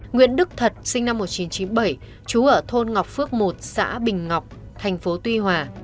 nguyễn đức thật sinh năm một nghìn chín trăm chín mươi bảy trú ở thôn ngọc phước i xã bình ngọc tp tuy hòa